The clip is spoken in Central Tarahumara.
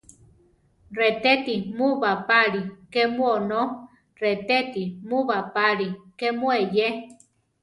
Retéti mu bapáli kemu onó; retéti mu bapáli kemu eyé.